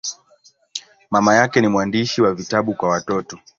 Mama yake ni mwandishi wa vitabu kwa watoto.